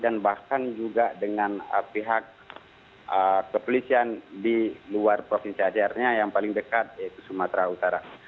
bahkan juga dengan pihak kepolisian di luar provinsi aceh yang paling dekat yaitu sumatera utara